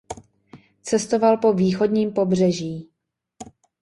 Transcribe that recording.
Cestoval po východním pobřeží.